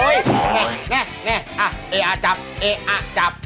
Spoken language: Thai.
นี่นี่นี่เอ๊ะจับเอ๊ะจับ